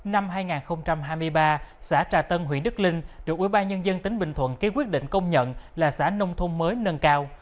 năm hai nghìn hai mươi ba xã trà tân huyện đức linh được ủy ban nhân dân tính bình thuận ký quyết định công nhận là xã nông thôn mới nâng cao